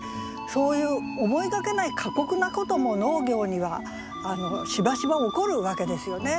そういう思いがけない過酷なことも農業にはしばしば起こるわけですよね。